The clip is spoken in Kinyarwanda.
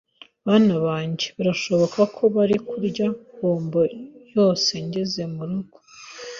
Bana banjye birashoboka ko bari kurya bombo yose ngeze murugo.